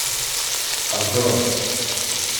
Heḍṛet!